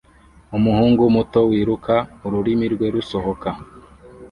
Umuhungu muto wiruka ururimi rwe rusohoka